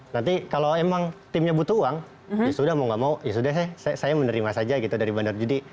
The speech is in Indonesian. nanti kalau emang timnya butuh uang ya sudah mau gak mau ya sudah saya menerima saja gitu dari bandar judi